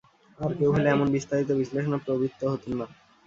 আর কেউ হলে এমন বিস্তারিত বিশ্লেষণে প্রবৃত্ত হতুম না।